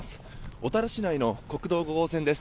小樽市内の国道５号線です。